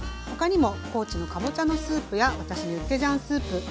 ほかにもコーチのかぼちゃのスープや私のユッケジャンスープ。